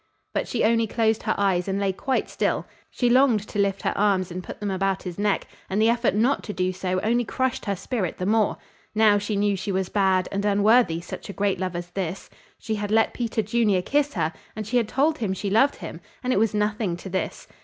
But she only closed her eyes and lay quite still. She longed to lift her arms and put them about his neck, and the effort not to do so only crushed her spirit the more. Now she knew she was bad, and unworthy such a great love as this. She had let Peter Junior kiss her, and she had told him she loved him and it was nothing to this.